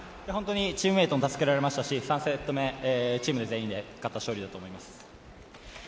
チームメートに助けられましたし３セット目、チームで全員で勝った勝利だと思います。